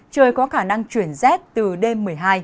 trời có khả năng chuyển rét từ đêm một mươi hai